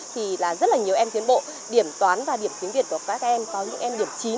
thì là rất là nhiều em tiến bộ điểm toán và điểm tiếng việt của các em có những em điểm chín